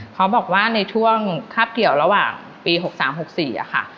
เขาบอกว่าในช่วงคาบเกี่ยวระหว่างปี๖๓๖๔ค่ะ